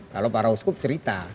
kalau para uskup cerita